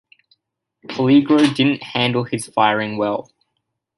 Peligro didn't handle his firing well.